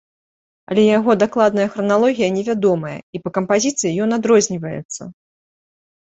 Але яго дакладная храналогія невядомая і па кампазіцыі ён адрозніваецца.